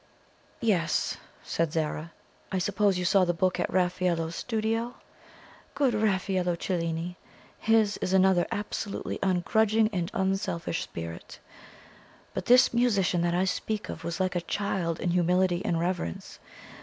'" "Yes," said Zara. "I suppose you saw the book at Raffaello's studio. Good Raffaello Cellini! his is another absolutely ungrudging and unselfish spirit. But this musician that I speak of was like a child in humility and reverence.